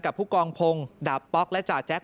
ผู้กองพงศ์ดาบป๊อกและจ่าแจ๊ค